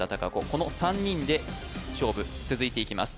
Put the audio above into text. この３人で勝負続いていきます